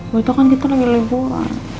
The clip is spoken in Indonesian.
buatan kan kita lagi libur